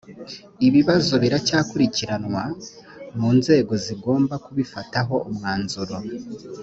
ibibazo biracyakurikiranwa mu nzego zigomba kubifataho umwanzuro